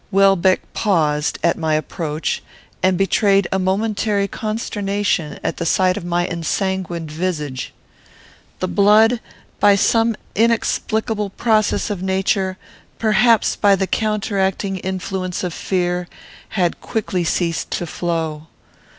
Welbeck paused, at my approach, and betrayed a momentary consternation at the sight of my ensanguined visage. The blood, by some inexplicable process of nature, perhaps by the counteracting influence of fear, had quickly ceased to flow.